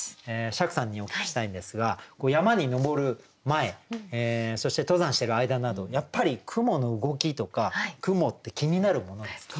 釈さんにお聞きしたいんですが山に登る前そして登山してる間などやっぱり雲の動きとか雲って気になるものですか？